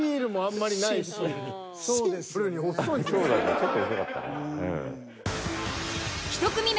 ちょっと遅かったね。